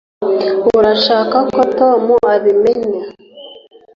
urashaka ko tom abimenya